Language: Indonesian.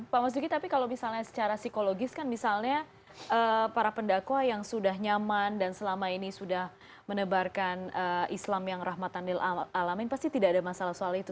pak mas duki tapi kalau misalnya secara psikologis kan misalnya para pendakwa yang sudah nyaman dan selama ini sudah menebarkan islam yang rahmatanil alamin pasti tidak ada masalah soal itu